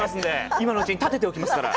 今のうちにたてておきますから。